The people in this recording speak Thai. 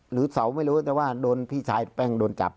หรือเสาไม่รู้แต่ว่าโดนพี่ชายแป้งโดนจับ